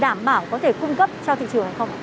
đảm bảo có thể cung cấp cho thị trường hay không